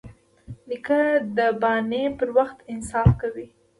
نیکه د بانې پر وخت انصاف کوي.